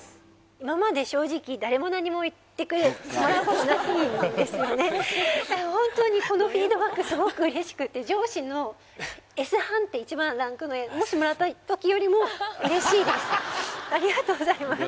今まで正直誰も何も言ってもらうことないんですよねだからホントにこのフィードバックすごく嬉しくて上司のＳ判定一番ランクの上もしもらった時よりも嬉しいです